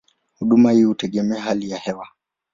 Huduma hii hutegemea hali ya hewa.